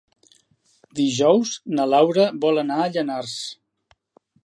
Dijous na Laura vol anar a Llanars.